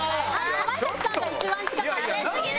かまいたちさんが一番近かったです。